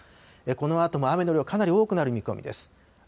このあとも雨の量かなり多くなる見込みです。